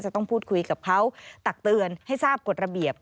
จะต้องพูดคุยกับเขาตักเตือนให้ทราบกฎระเบียบ